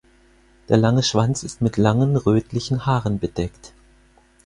Der lange Schwanz ist mit langen rötlichen Haaren bedeckt.